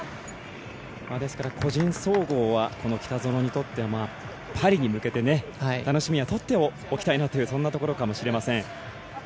ですから、個人総合はこの北園にとってはパリに向けて楽しみは取っておきたいなというそんなところかもしれません。